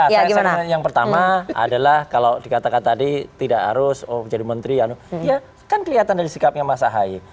yang pertama adalah kalau dikatakan tadi tidak harus jadi menteri ya kan kelihatan dari sikapnya mas ahaye